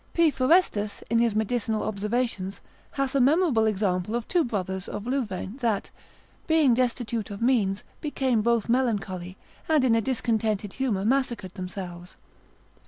P. Forestus, in his medicinal observations, hath a memorable example of two brothers of Louvain that, being destitute of means, became both melancholy, and in a discontented humour massacred themselves.